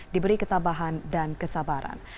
diberi ketabahan dan kesabaran